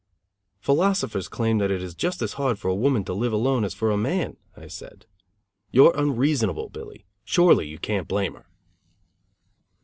"Philosophers claim that it is just as hard for a woman to live alone as for a man," I said. "You're unreasonable, Billy. Surely you can't blame her."